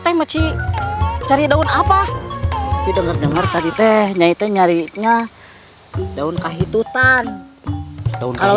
temaci cari daun apa itu ngerdek tadi teh nyai tanya riknya daun kahit utan kalau